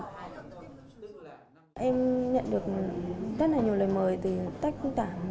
em nhận được rất là nhiều lời mời từ tách khung tảm